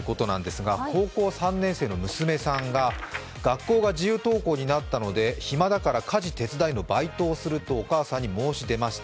高校３年生の娘さんが学校が自由登校になったので暇だから家事手伝いのバイトをするとお母さんに申し出ました。